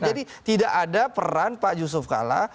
jadi tidak ada peran pak yusuf kalla